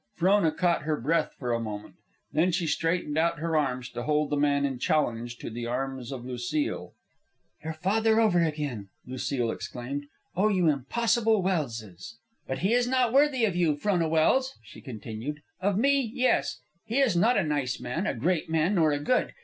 Frona caught her breath for a moment. Then she straightened out her arms to hold the man in challenge to the arms of Lucile. "Your father over again," Lucile exclaimed. "Oh, you impossible Welses!" "But he is not worthy of you, Frona Welse," she continued; "of me, yes. He is not a nice man, a great man, nor a good.